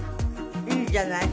いいじゃない。